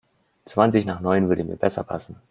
Zwanzig nach neun würde mir besser passen.